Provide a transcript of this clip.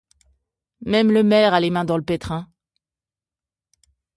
Même le maire a les mains dans le pétrin.